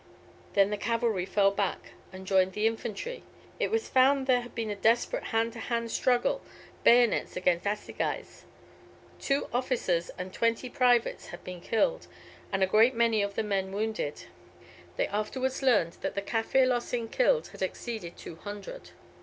Then the cavalry fell back and joined the infantry. It was found there had been a desperate hand to hand struggle, bayonets against assegais. Two officers and twenty privates had been killed, and a great many of the men wounded. They afterwards learned that the Kaffir loss in killed had exceeded two hundred.